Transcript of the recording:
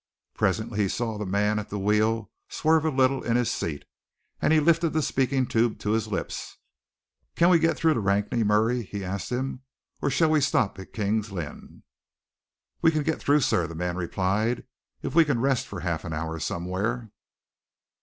Presently he saw the man at the wheel swerve a little in his seat, and he lifted the speaking tube to his lips. "Can we get through to Rakney, Murray," he asked him, "or shall we stop at King's Lynn?" "We can get through, sir," the man replied, "if we can rest for half an hour somewhere."